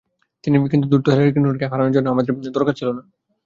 কিন্তু ধূর্ত হিলারি ক্লিনটনকে হারানোর জন্য আপনাকে আমার দরকার ছিল না।